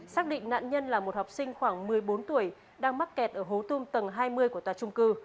xác định nạn nhân là một học sinh khoảng một mươi bốn tuổi đang mắc kẹt ở hố tôm tầng hai mươi của tòa trung cư